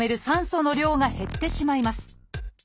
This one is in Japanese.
酸素の量が減ってしまいます。